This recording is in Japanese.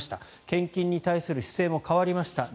献金に対する姿勢も変わりました